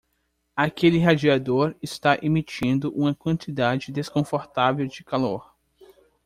Aquele radiador está emitindo uma quantidade desconfortável de calor.